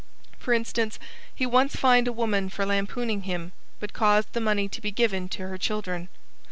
For instance, he once fined a woman for lampooning him, but caused the money to be given to her children.